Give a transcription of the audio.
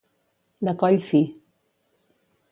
De coll fi.